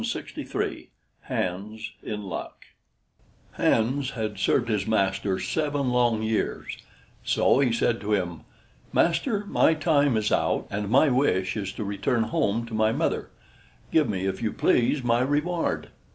HANS IN LUCK Hans had served his master seven long years; so he said to him: "Master, my time is out, and my wish is to return home to my mother: give me, if you please, my reward."